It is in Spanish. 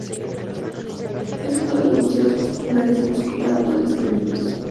Es uno de los museos más populares de Moscú para padres con niños.